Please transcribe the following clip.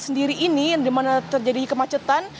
sendiri ini di mana terjadi kemacetan